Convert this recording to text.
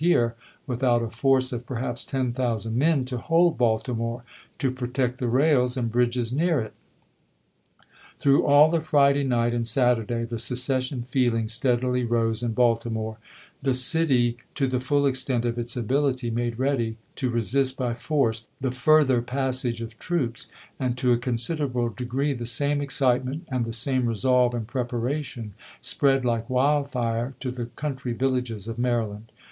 here, without a force of perhaps ten thousand men to W It Vol .. if., p. 587. ' hold Baltimore, to protect the rails and bridges near it. Through all of Friday night and Saturday the secession feeling steadily rose in Baltimore; the city, to the full extent of its ability, made ready to resist by force the further passage of troops ; and to a considerable degree the same excitement, and the same resolve and preparation, spread like wild fire to the country villages of Maryland.